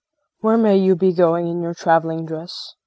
Where may you be going in your traveling dress?